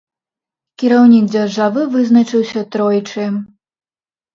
Кіраўнік дзяржавы вызначыўся тройчы.